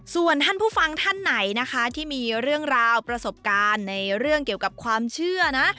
ส่วนท่านผู้ฟังท่านไหนนะคะที่มีเรื่องราวประสบการณ์ในเรื่องเกี่ยวกับความเชื่อนะ